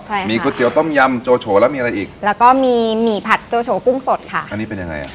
ใช่ค่ะมีก๋วยเตี๋ต้มยำโจโฉแล้วมีอะไรอีกแล้วก็มีหมี่ผัดโจโฉกุ้งสดค่ะอันนี้เป็นยังไงอ่ะ